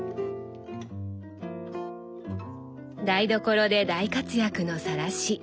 台所で大活躍のさらし。